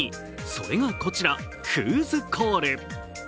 それがこちら、フーズコール。